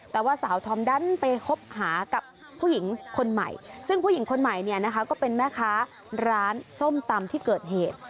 แต่ว่าสาวธอมดันไปคบหากับผู้หญิงคนใหม่ซึ่งผู้หญิงคนใหม่เนี่ยนะคะก็เป็นแม่ค้าร้านส้มตำที่เกิดเหตุ